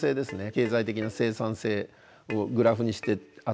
経済的な生産性をグラフにしてあって。